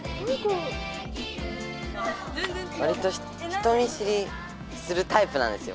わりと人見知りするタイプなんですよ。